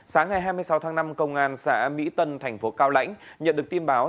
sáng ngày hai mươi sáu tháng năm công an xã mỹ tân thành phố cao lãnh nhận được tin báo